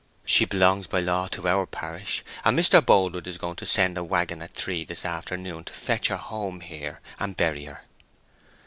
She belongs by law to our parish; and Mr. Boldwood is going to send a waggon at three this afternoon to fetch her home here and bury her."